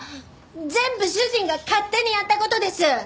全部主人が勝手にやった事です！